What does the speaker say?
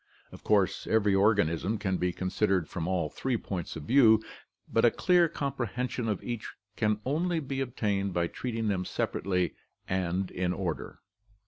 Of course every organism can be considered from all three points of view, but a clear comprehension of each can only be ob tained by treating them separately and in order.